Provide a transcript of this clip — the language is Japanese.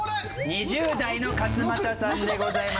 ２０代の勝俣さんでございます。